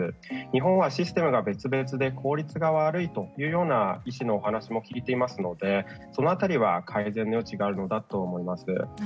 日本はシステムが別々で効率が悪いというような医師のお話も聞いていますのでその辺りは改善の余地があるのだと思います。